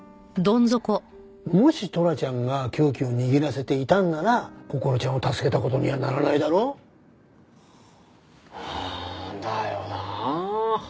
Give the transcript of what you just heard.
もしトラちゃんが凶器を握らせていたんならこころちゃんを助けた事にはならないだろ？だよなあ。